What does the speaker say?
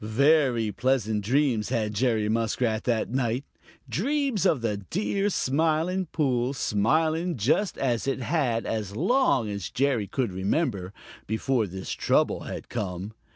Very pleasant dreams had Jerry Muskrat that night, dreams of the dear Smiling Pool, smiling just as it had as long as Jerry could remember, before this trouble had come.